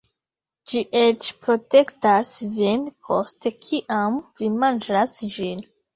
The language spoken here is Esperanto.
Ĝi eĉ protektas vin post kiam vi manĝas ĝin